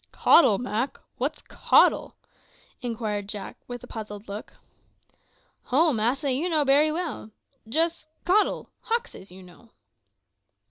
"Cottle, Mak! what's cottle?" inquired Jack, with a puzzled look. "Ho, massa, you know bery well; jist cottle hoxes, you know."